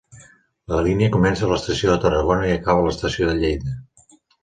La línia comença a l'estació de Tarragona i acabava a l'estació de Lleida.